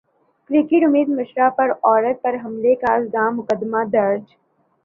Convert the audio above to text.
cricketer Amit Mishra پر عورت پر حملہ کرنے کا الزام مقدمہ درج